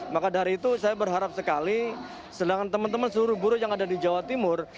maka dari itu saya berharap sekali sedangkan teman teman seluruh buruh yang ada di jawa timur